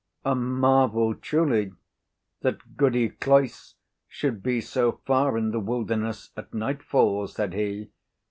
"A marvel, truly, that Goody Cloyse should be so far in the wilderness at nightfall," said he.